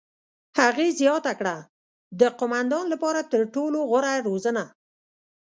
هغې زیاته کړه: "د قوماندان لپاره تر ټولو غوره روزنه.